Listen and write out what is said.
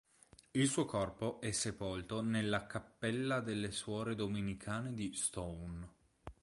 Il suo corpo è sepolto nella cappella delle suore domenicane di Stone.